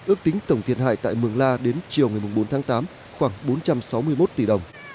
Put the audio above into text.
ước tính tổng thiệt hại tại mường la đến chiều ngày bốn tháng tám khoảng bốn trăm sáu mươi một tỷ đồng